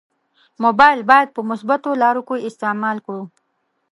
مبایل باید په مثبتو لارو کې استعمال کړو.